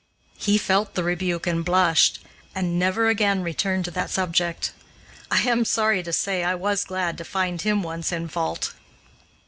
He felt the rebuke and blushed, and never again returned to that subject. I am sorry to say I was glad to find him once in fault.